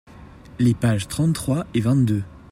les pages trente trois et vingt deux.